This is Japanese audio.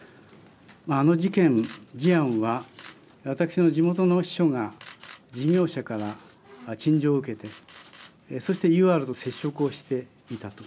あの事件事案は私の地元の秘書が事業者から陳情を受けてそしてＵＲと接触をしていたと。